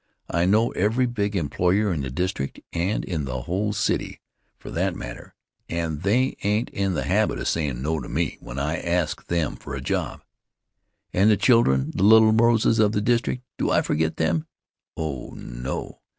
I know every big employer in the district and in the whole city, for that matter, and they ain't in the habit of sayin' no to me when I ask them for a job. And the children the little roses of the district! Do I forget them? Oh, no!